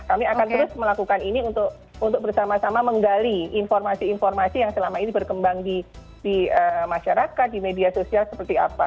kami akan terus melakukan ini untuk bersama sama menggali informasi informasi yang selama ini berkembang di masyarakat di media sosial seperti apa